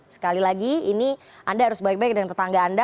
sekali lagi ini anda harus baik baik dengan tetangga anda